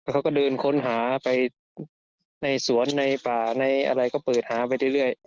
เขาก็เดินค้นหาไปในสวนในป่าในอะไรก็เปิดหาไปเรื่อย